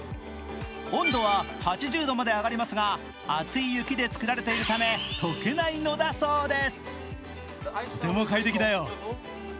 温度は８０度まで上がりますが厚い雪で作られているため解けないのだそうです。